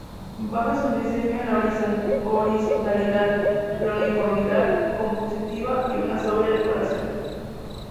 Basa su diseño en la horizontalidad, la uniformidad compositiva y una sobria decoración.